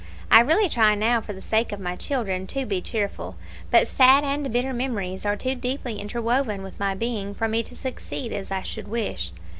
I really try now for the sake of my children to be cheerful; but sad and bitter memories are too deeply interwoven with my being for me to succeed as I should wish.